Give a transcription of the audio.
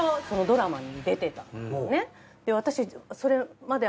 そのドラマに出てたんですね。